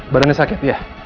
badannya sakit ya